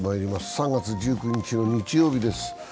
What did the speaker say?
３月１９日の日曜日です。